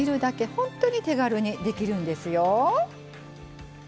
ほんとに手軽にできるんですよ。